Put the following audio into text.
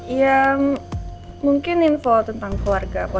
ya mungkin info tentang keluarga